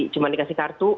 cuma dikasih kartu